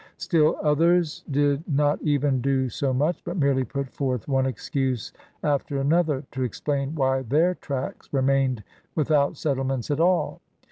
Still others did not even do so much, but merely put forth one excuse after another to explain why their tracts remained without settlements at all.